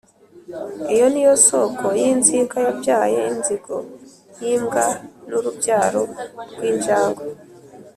iyo ni yo soko y'inzika yabyaye inzigo yimbwa n'urubyaro rw'injangwe